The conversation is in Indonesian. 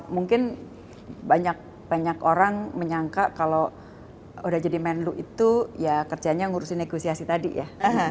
mungkin banyak orang menyangka kalau udah jadi menlu itu ya kerjanya ngurusin negosiasi tadi ya